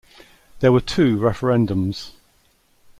There were two referendums.